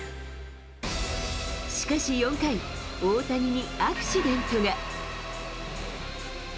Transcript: しかし４回、大谷にアクシデントが。